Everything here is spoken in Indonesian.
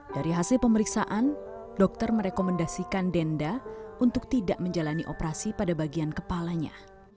dari hasil pemeriksaan dokter merekomendasikan denda untuk tidak menjalani operasi pada bagian kepalanya